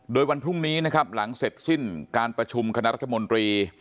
โดยวันพรุ่งนี้นะครับหลังเสร็จสิ้นการประชุมคณะรัฐมนตรี